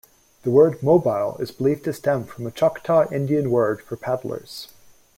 The word "Mobile" is believed to stem from a Choctaw Indian word for "paddlers".